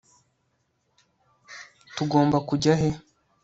tugomba kujya he